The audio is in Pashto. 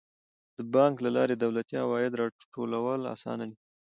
د بانک له لارې د دولتي عوایدو راټولول اسانه دي.